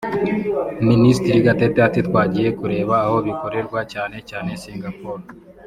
Minisitiri Gatete ati “Twagiye kureba aho bikorerwa cyane cyane Singapore